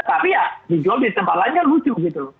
tapi ya dijual di tempat lainnya lucu gitu